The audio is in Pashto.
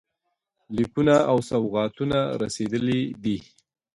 لیکونه او سوغاتونه رسېدلي دي.